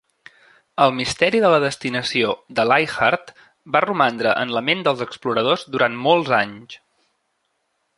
El misteri de la destinació de Leichhardt va romandre en la ment dels exploradors durant molts anys.